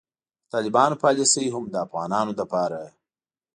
د طالبانو پالیسي هم د افغانانو لپاره